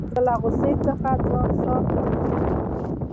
زه له غوسې څخه ځان ساتم.